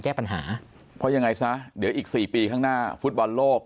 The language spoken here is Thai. แก้ปัญหาเพราะยังไงซะเดี๋ยวอีกสี่ปีข้างหน้าฟุตบอลโลก